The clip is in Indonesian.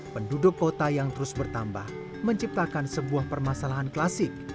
penduduk kota yang terus bertambah menciptakan sebuah permasalahan klasik